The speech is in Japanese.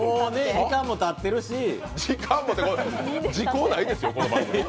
時間もって時効ないですよ、この番組。